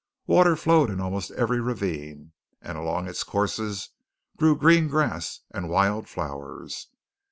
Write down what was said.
Water flowed in almost every ravine, and along its courses grew green grass and wild flowers.